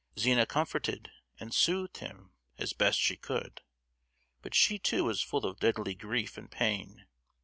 Zina comforted and soothed him as she best could, but she too was full of deadly grief and pain.